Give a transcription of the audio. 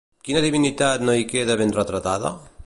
Quina divinitat no hi queda ben retratada?